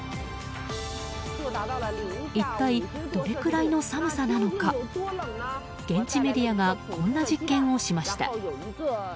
一体どれくらいの寒さなのか現地メディアがこんな実験をしました。